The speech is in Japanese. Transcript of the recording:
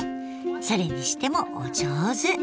それにしてもお上手。